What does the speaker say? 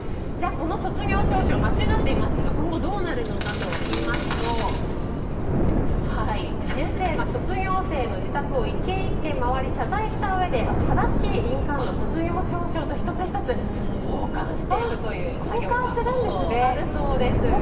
この卒業証書、間違っていますが今後、どうなるのかといいますと先生が卒業生の自宅を１軒１軒回り謝罪したうえで正しい印鑑を卒業証書と１つ１つ交換していくという作業があるそうです。